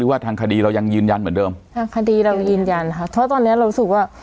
ว่าทางคดีเรายังยืนยันเหมือนเดิมทางคดีเรายืนยันค่ะเพราะตอนเนี้ยเรารู้สึกว่า